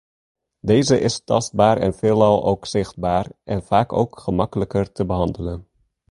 Deze is tastbaar en veelal ook zichtbaar, en vaak ook gemakkelijker te behandelen.